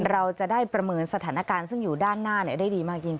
เราจะได้ประเมินสถานการณ์ซึ่งอยู่ด้านหน้าได้ดีมากยิ่ง